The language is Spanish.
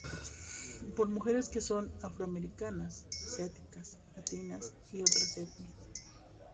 Por mujeres que son afroamericanas, asiáticas, latinas y otras etnias.